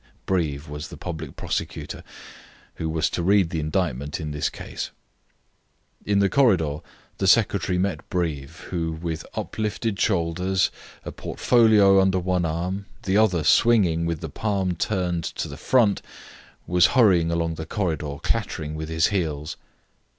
Breve was the public prosecutor, who was to read the indictment in this case. In the corridor the secretary met Breve, who, with up lifted shoulders, a portfolio under one arm, the other swinging with the palm turned to the front, was hurrying along the corridor, clattering with his heels.